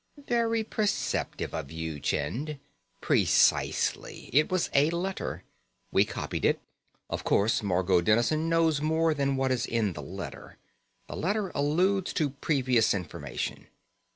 "Very perceptive of you, Chind. Precisely. It was a letter. We copied it. Of course, Margot Dennison knows more than what is in the letter; the letter alludes to previous information.